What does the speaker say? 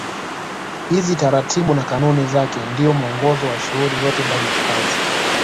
Hizi taratibu na kanuni zake ndio mwongozo wa shughuli zote ndani ya hifadhi